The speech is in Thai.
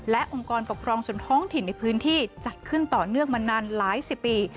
และองค์กรปกครองส่วนท้องถิ่นในพื้นที่จัดขึ้นต่อเนื่องมานานหลายสิบปี